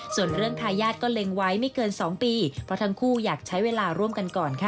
ส่วนเรื่องทายาทก็เล็งไว้ไม่เกิน๒ปีเพราะทั้งคู่อยากใช้เวลาร่วมกันก่อนค่ะ